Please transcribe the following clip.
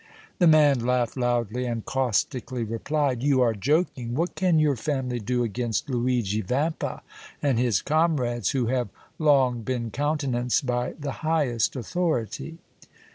The man laughed loudly, and caustically replied: "You are joking! What can your family do against Luigi Vampa and his comrades, who have long been countenanced by the highest authority!"